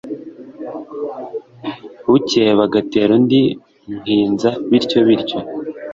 bukeye bagatera undi muhinza, bityo bityo,